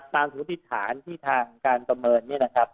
ตามสมมุติฐานที่ทางการประเมินนี้